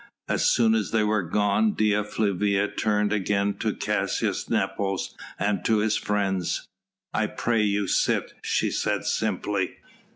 As soon as they were gone Dea Flavia turned again to Caius Nepos and to his friends. "I pray you sit," she said simply.